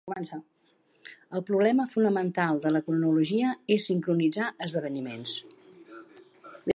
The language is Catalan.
El problema fonamental de la cronologia és sincronitzar esdeveniments.